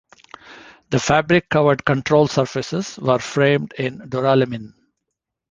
The fabric-covered control surfaces were framed in duralumin.